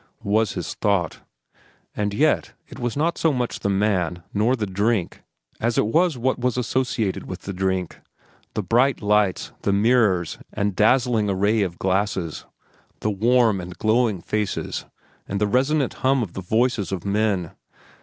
was his thought. And yet, it was not so much the man nor the drink as was it what was associated with the drink—the bright lights, the mirrors and dazzling array of glasses, the warm and glowing faces and the resonant hum of the voices of men.